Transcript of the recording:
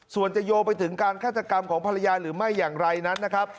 ส่วนจะโยงไปถึงการฆาตกรรมของภรรยาหรือไม่อย่างไรนั้นนะครับ